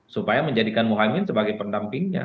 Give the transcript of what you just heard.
supaya menjadikan mohaimin sebagai pendampingnya